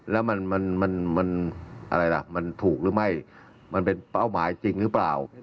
แล้วมันถูกหรือไม่มันเป็นเป้าหมายจริงหรือเปล่า